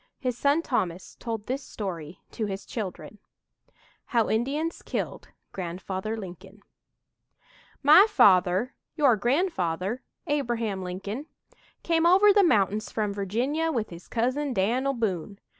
His son Thomas told this story to his children: HOW INDIANS KILLED "GRANDFATHER LINCOLN" "My father your grandfather, Abraham Lincoln come over the mountains from Virginia with his cousin, Dan'l Boone.